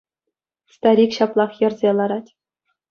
Старик ҫаплах йӗрсе ларать.